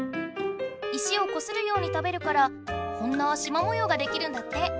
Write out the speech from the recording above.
石をこするように食べるからこんなしまもようができるんだって。